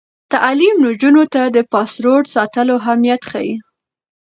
تعلیم نجونو ته د پاسورډ ساتلو اهمیت ښيي.